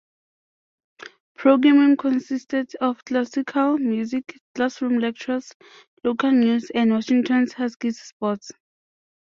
Programming consisted of classical music, classroom lectures, local news, and Washington Huskies sports.